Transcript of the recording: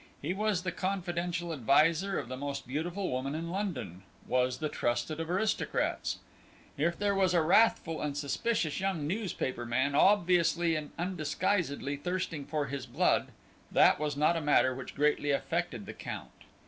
He was the confidential adviser of the most beautiful woman in London, was the trusted of aristocrats. If there was a wrathful and suspicious young newspaper man obviously and undisguisedly thirsting for his blood that was not a matter which greatly affected the Count.